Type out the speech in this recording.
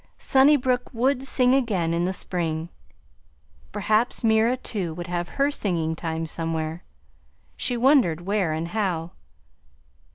Sunnybrook would sing again in the spring; perhaps Mira too would have her singing time somewhere she wondered where and how.